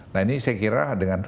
nah ini saya kira dengan